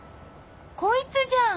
こいつじゃん！